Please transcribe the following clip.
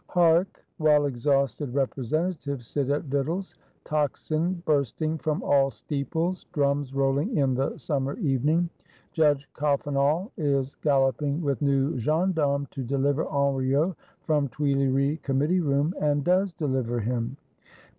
Hark, while exhausted Representatives sit at victuals, — tocsin bursting from all steeples, drums rolling in the summer evening; Judge Coffinhal is galloping with new gendarmes, to deliver Henriot from Tuileries Com mittee room, and does deliver him!